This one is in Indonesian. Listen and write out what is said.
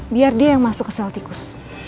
biar dia yang masuk ke sel tikus